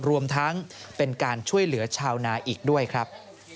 รวมทั้งเป็นการช่วยเหลือชาวนาอีกด้วยครับ